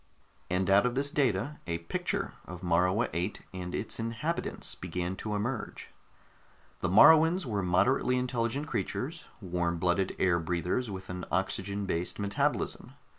And out of this data, a picture of Morua VIII and its inhabitants began to emerge. The Moruans were moderately intelligent creatures, warm blooded air breathers with an oxygen based metabolism.